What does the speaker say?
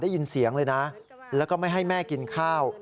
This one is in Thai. ได้ยินเสียงเลยนะแล้วก็ไม่ให้แม่กินข้าว